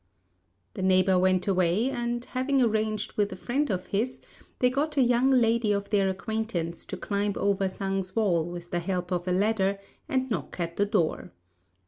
The neighbour went away, and having arranged with a friend of his, they got a young lady of their acquaintance to climb over Sang's wall with the help of a ladder, and knock at the door.